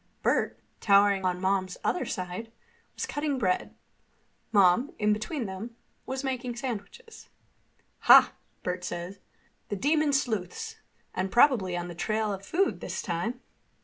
Bert, towering on Mom's other side, was cutting bread. Mom, between them, was making sandwiches. "Ha!" Bert said. "The demon sleuths—and probably on the trail of food this time."